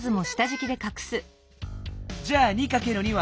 じゃあ２×２は？